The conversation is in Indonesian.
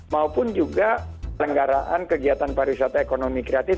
maupun juga penggaraan kegiatan para wisata ekonomi kreatif